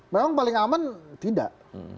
memang paling aman tidak